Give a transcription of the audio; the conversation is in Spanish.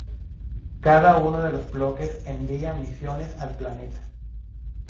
Cada uno de los bloques envía misiones al planeta.